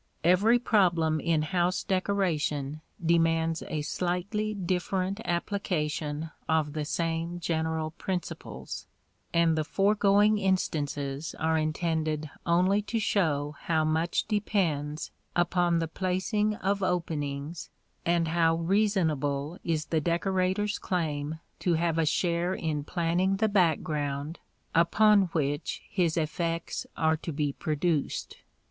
Every problem in house decoration demands a slightly different application of the same general principles, and the foregoing instances are intended only to show how much depends upon the placing of openings and how reasonable is the decorator's claim to have a share in planning the background upon which his effects are to be produced.